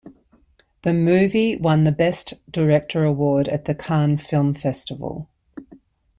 The movie won the Best Director award at the Cannes Film Festival.